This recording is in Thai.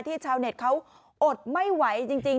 ชาวเน็ตเขาอดไม่ไหวจริง